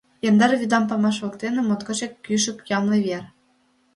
Яндар вӱдан памаш воктене Моткочак ӱшык ямле вер.